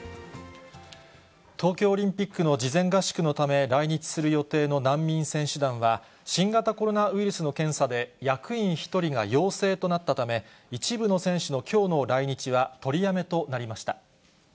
東京オリンピックの事前合宿のため、来日する予定の難民選手団は、新型コロナウイルスの検査で役員１人が陽性となったため、一部の選手のきょうの来日は取りやめとなりました。